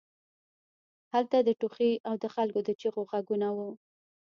هلته د ټوخي او د خلکو د چیغو غږونه وو